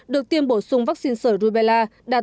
được tiêm bổ sung vaccine sởi rubella đạt bốn mươi